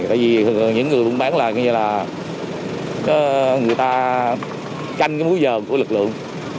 tại vì những người bán là người ta canh cái múi giờ của lực lượng